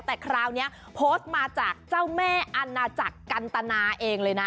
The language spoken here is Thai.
แต่คราวนี้โพสต์มาจากเจ้าแม่อาณาจักรกันตนาเองเลยนะ